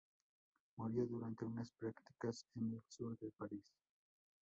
Murió durante unas prácticas en el sur de París.